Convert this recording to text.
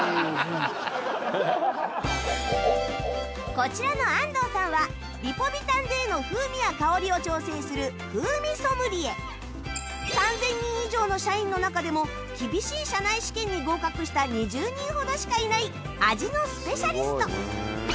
こちらの安藤さんはリポビタン Ｄ の風味や香りを調整する３０００人以上の社員の中でも厳しい社内試験に合格した２０人ほどしかいない味のスペシャリスト